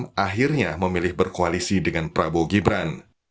pkk dan nasdem akhirnya memilih berkoalisi dengan prabowo gibran